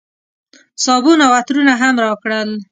صابون او عطرونه هم راکړل.